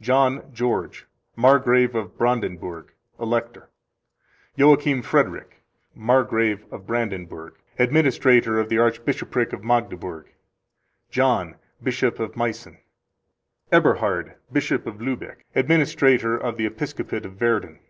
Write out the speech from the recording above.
John George, Margrave of Brandenburg, Elector. Joachim Frederick, Margrave of Brandenburg, Administrator of the Archbishopric of Magdeburg. John, Bishop of Meissen. Eberhard, Bishop of Luebeck, Administrator of the Episcopate of Werden.